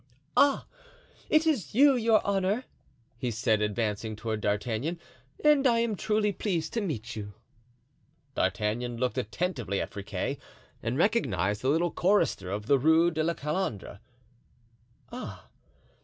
"Ah! it is you, your honor," he said, advancing toward D'Artagnan; "and I am truly pleased to meet you." D'Artagnan looked attentively at Friquet and recognized the little chorister of the Rue de la Calandre. "Ah!